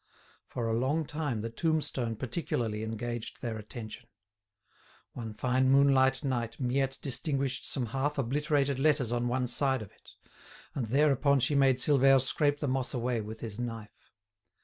For a long time the tombstone particularly engaged their attention. One fine moonlight night Miette distinguished some half obliterated letters on one side of it, and thereupon she made Silvère scrape the moss away with his knife.